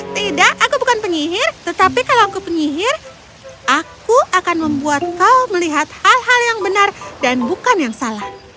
tidak aku bukan penyihir tetapi kalau aku penyihir aku akan membuat kau melihat hal hal yang benar dan bukan yang salah